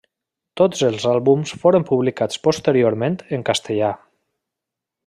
Tots els àlbums foren publicats posteriorment en castellà.